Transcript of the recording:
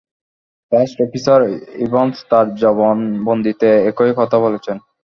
First officer Evans তাঁর জবানবন্দিতে একই কথা বলেছেন।